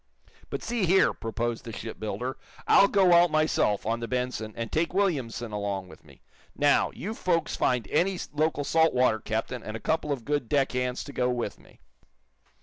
"But, see here," proposed the shipbuilder, "I'll go out myself, on the 'Benson,' and take Williamson along with me. Now, you folks find any local salt water captain and a couple of good deck hands to go with me."